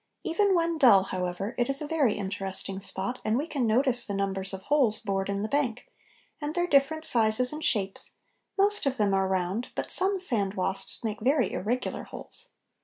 Even when dull, however, it is a very interesting spot, and we can notice the numbers of holes bored in the bank, and their different sizes and shapes; most of them are round, but some sandwasps make very irregular holes.